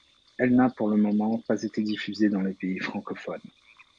Elle n'a pour le moment pas été diffusée dans les pays francophones.